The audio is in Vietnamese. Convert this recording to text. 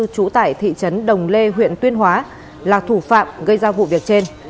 trú tại thị trấn đồng lê huyện tuyên hóa là thủ phạm gây ra vụ việc trên